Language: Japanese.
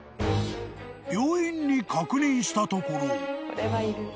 ［病院に確認したところ］